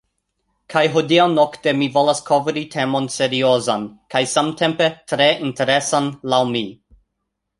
Kaj hodiaŭ nokte mi volas kovri temon seriozan kaj samtempe tre interesan laŭ mi.